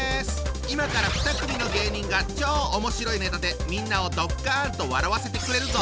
今から２組の芸人が超おもしろいネタでみんなをドッカンと笑わせてくれるぞ！